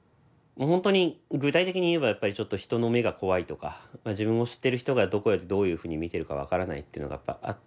本当に具体的に言えばやっぱりちょっと人の目が怖いとか自分を知ってる人がどこでどういうふうに見てるかわからないっていうのがやっぱあったので。